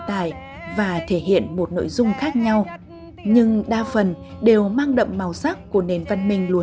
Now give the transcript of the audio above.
tài và thể hiện một nội dung khác nhau nhưng đa phần đều mang đậm màu sắc của nền văn minh lúa